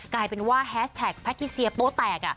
กลายเป็นว่าแฮสแท็กแพทิเซียโป๊แตก